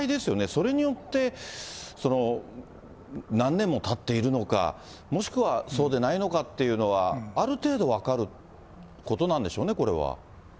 それによって、何年もたっているのか、もしくはそうでないのかっていうのは、ある程度、分かることなんでしょうね、これは。